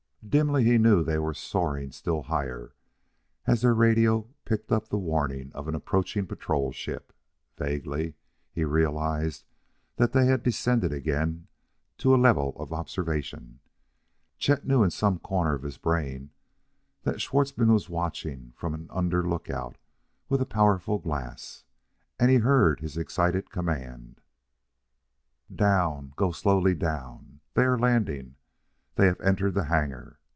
Dimly he knew they were soaring still higher as their radio picked up the warning of an approaching patrol ship; vaguely, he realized that they descended again to a level of observation. Chet knew in some corner of his brain that Schwartzmann was watching from an under lookout with a powerful glass, and he heard his excited command: "Down go slowly, down!... They are landing.... They have entered the hangar.